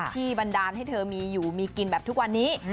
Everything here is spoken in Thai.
บันดาลให้เธอมีอยู่มีกินแบบทุกวันนี้